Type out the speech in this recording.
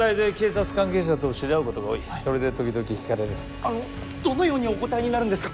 あのどのようにお答えになるんですか？